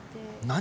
何？